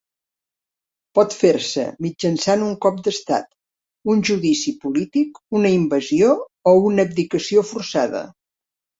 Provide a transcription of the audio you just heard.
Pot fer-se mitjançant un cop d'estat, un judici polític, una invasió o una abdicació forçada.